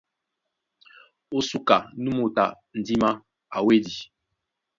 Ó súká, nú moto a ndímá a wédi.